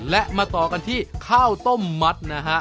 และมาต่อกันที่ข้าวต้มมัดนะฮะ